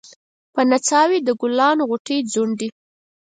په نڅا وې د ګلانو غوټۍ ځونډي